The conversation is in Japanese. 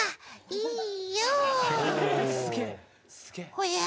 おや？